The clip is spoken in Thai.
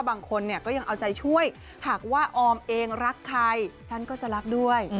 บางคนเนี่ยก็ยังเอาใจช่วยหากว่าออมเองรักใครฉันก็จะรักด้วย